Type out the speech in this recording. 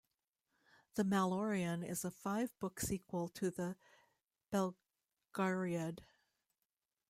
"The Malloreon" is a five-book sequel to the "Belgariad".